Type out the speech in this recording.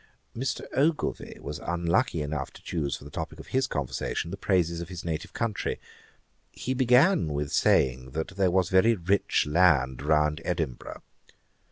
Mr. Ogilvie was unlucky enough to choose for the topick of his conversation the praises of his native country. He began with saying, that there was very rich land round Edinburgh.